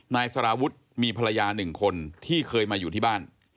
นายสารวุฒิมีภรรยาหนึ่งคนที่เคยมาอยู่ที่บ้าน